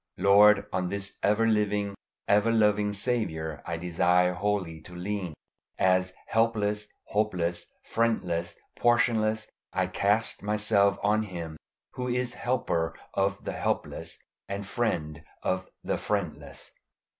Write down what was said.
Lord, on this ever living, ever loving Saviour I desire wholly to lean. As helpless, hopeless, friendless, portionless, I cast myself on Him who is Helper of the helpless and Friend of the friendless.